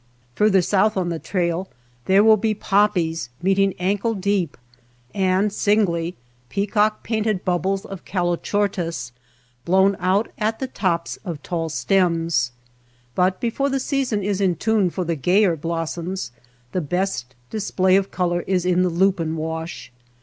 Farther south on the trail there will be poppies meeting ankle deep, and singly, peacock painted bubbles of calochortus blown out at the tops of tall stems. But before the season is in tune for the gayer blossoms the best display of color is in the lupin wash.